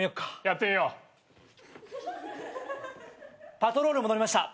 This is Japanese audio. パトロール戻りました。